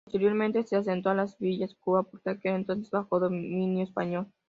Posteriormente, se asentó en Las Villas, Cuba, por aquel entonces, bajo dominio español.